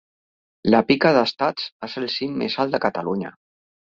La Pica d'estats es el cim mes alt de Catalunya.